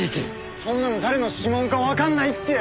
そんなの誰の指紋かわかんないって！